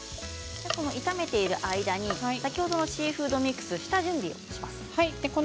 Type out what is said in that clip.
炒めている間に先ほどのシーフードミックスの下準備をします。